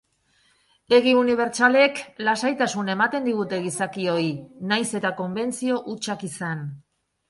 Egi unibertsalek lasaitasuna ematen digute gizakioi nahiz eta konbentzio hutsak izan.